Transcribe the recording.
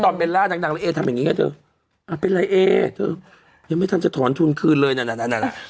เมื่อก่อนจะเห็นตั้งแต่นางอยู่แบบนี้